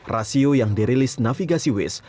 rasio yang dirilis navigasi waze